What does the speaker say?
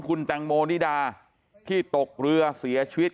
คุณแตงโมนิดาที่ตกเรือเสียชีวิต